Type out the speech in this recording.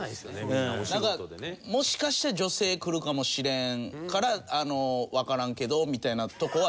なんかもしかして女性来るかもしれんからわからんけどみたいなとこは。